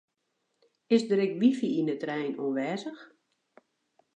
Is der ek wifi yn de trein oanwêzich?